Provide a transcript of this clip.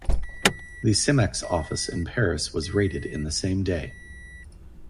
The Simex office in Paris was raided in the same day.